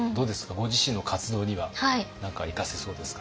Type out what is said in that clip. ご自身の活動には何か生かせそうですか？